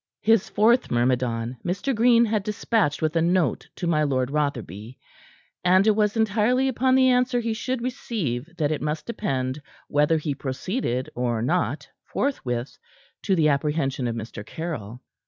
His fourth myrmidon Mr. Green had dispatched with a note to my Lord Rotherby, and it was entirely upon the answer he should receive that it must depend whether he proceeded or not, forthwith, to the apprehension of Mr. Caryll.